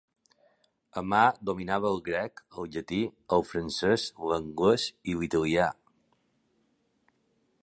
Amar dominava el grec, el llatí, el francès, l'anglès i l'italià.